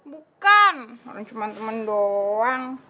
bukan namanya cuma temen doang